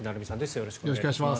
よろしくお願いします。